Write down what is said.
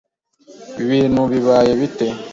Ibi bintu bibaye bite”